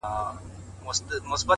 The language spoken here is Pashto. څه مي ارام پرېږده ته؛